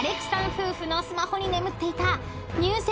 夫婦のスマホに眠っていた入籍